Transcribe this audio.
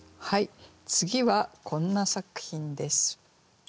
次はこんな作品です。